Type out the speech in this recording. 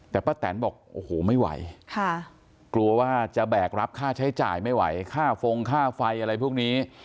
แต่ป้าแตนบอกโอ้โหไม่ไหวกลัวว่าจะแบกรับค่าใช้จ่ายไม่ไหวค่าฟงค่าไฟอะไรพวกนี้